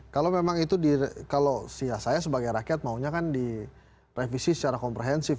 kalau memang itu kalau saya sebagai rakyat maunya kan direvisi secara komprehensif